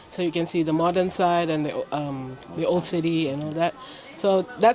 jadi kita bisa melihat kawasan modern dan kota lama dan sebagainya